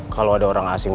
kalau ada orang asing